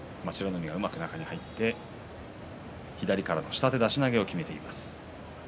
海がうまく中に入って左からの下手出し投げをきめています。